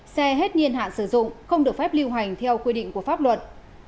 ba xe hết nhiên hạn sử dụng không được phép lưu hành theo quy định của pháp luật